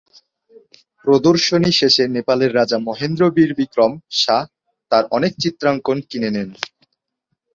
প্রদর্শনী শেষে নেপালের রাজা মহেন্দ্র বীর বিক্রম শাহ তার অনেক চিত্রাঙ্কন কিনে নেন।